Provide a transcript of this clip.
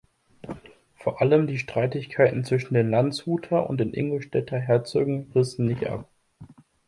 Vor allem die Streitigkeiten zwischen den Landshuter und den Ingolstädter Herzögen rissen nicht ab.